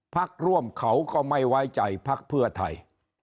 พักร่วมเขาก็ไม่ไว้ใจพักเพื่อไทย